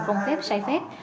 không phép sai phép